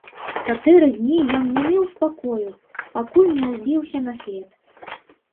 Чатыры дні ён не меў спакою, пакуль не ўзбіўся на след.